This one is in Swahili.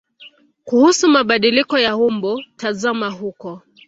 Kuhusu mabadiliko ya umbo tazama huko.